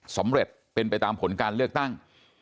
สำเร็จเป็นไปตามผลการเลือกตั้ง